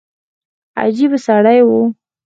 عجب سړى و.